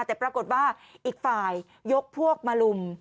แต่ปรากฏว่าอีกฝ่ายยกพวกมาลุม